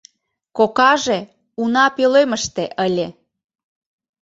Кокаже уна пӧлемыште ыле.